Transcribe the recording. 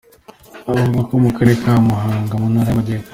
Avuka mu Karere ka Muhanga mu Ntara y’Amajyepfo.